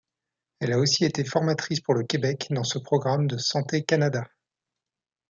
Elle a aussi été formatrice pour le Québec dans ce programme de Santé Canada.